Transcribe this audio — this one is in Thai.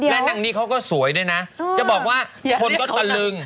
นางนี้เขาก็สวยด้วยนะจะบอกว่าคนก็ตะลึง